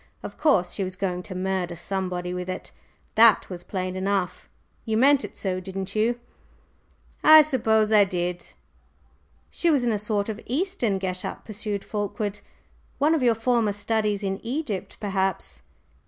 Of course, she was going to murder somebody with it; that was plain enough. You meant it so, didn't you?" "I suppose I did." "She was in a sort of Eastern get up," pursued Fulkeward, "one of your former studies in Egypt, perhaps."